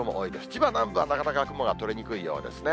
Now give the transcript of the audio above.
千葉南部は、なかなか雲が取れにくいようですね。